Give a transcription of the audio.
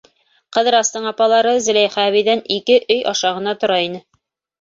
Ҡыҙырастың апалары Зөләйха әбейҙән ике өй аша ғына тора ине.